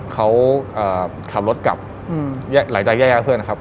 เขาขับรถกลับหลังจากแยกเพื่อนนะครับ